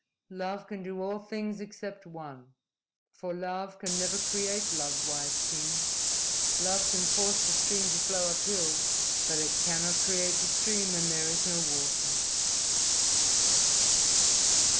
"Love can do all things except one. For love can never create love, wise king. Love can force the stream to flow up hill, but it cannot create the stream when there is no water."